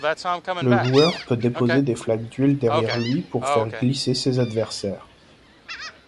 Le joueur peut déposer des flaques d'huile derrière lui pour faire glisser ses adversaires.